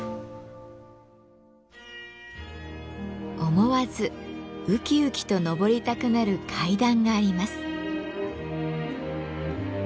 思わずウキウキと上りたくなる「階段」があります。